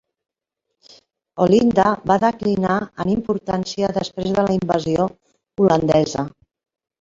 Olinda va declinar en importància després de la invasió holandesa.